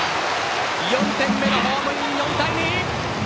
４点目のホームイン、４対２！